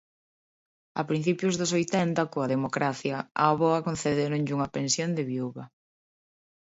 A principios dos oitenta, coa democracia, a avoa concedéronlle unha pensión de viúva.